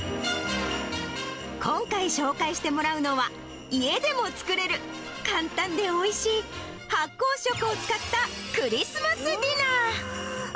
今回、紹介してもらうのは、家でも作れる簡単でおいしい、発酵食を使ったクリスマスディナー。